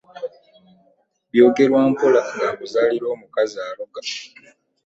Byogerwa mpola nga akuzaalira omukazi aloga .